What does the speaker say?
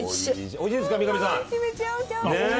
おいしいですか三上さん。